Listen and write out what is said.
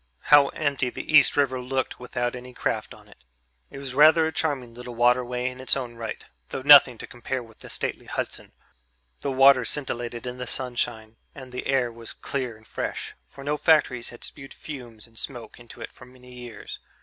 How empty the East River looked without any craft on it! It was rather a charming little waterway in its own right, though nothing to compare with the stately Hudson. The water scintillated in the sunshine and the air was clear and fresh, for no factories had spewed fumes and smoke into it for many years.